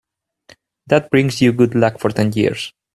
That brings you good luck for ten years.